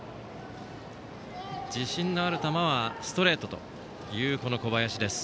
自信のある球はストレートという小林です。